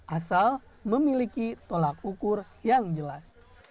asal memiliki tolak ukur yang jelas